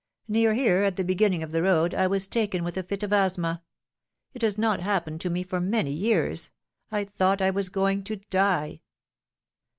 Near here, at the beginning of the road, I was taken with a fit of asthma ; it has not happened to me for many years. I thought I was going to die."